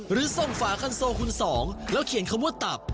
หรือส่งฝาคันโซคุณสองแล้วเขียนคำว่าตับ